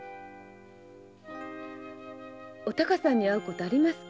お孝さんに会うことありますか？